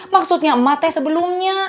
maksudnya emak teh sebelumnya